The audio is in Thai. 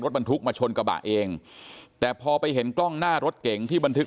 บรรทุกมาชนกระบะเองแต่พอไปเห็นกล้องหน้ารถเก๋งที่บันทึก